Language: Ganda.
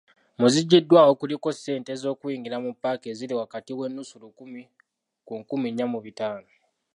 Mu ziggiddwawo, kuliko; essente z'okuyingira mu paaka eziri wakati w'ennusu lukumi ku nkumi nnya mu bitaano.